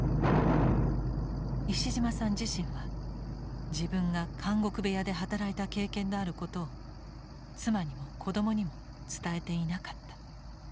石島さん自身は自分が監獄部屋で働いた経験のあることを妻にも子供にも伝えていなかった。